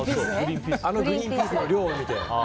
あのグリーンピースの量を見て。